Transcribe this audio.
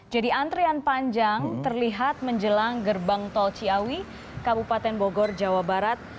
jadi antrian panjang terlihat menjelang gerbang tol ciawi kabupaten bogor jawa barat